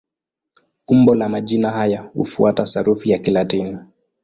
Umbo la majina haya hufuata sarufi ya Kilatini.